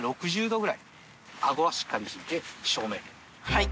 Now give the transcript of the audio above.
はい。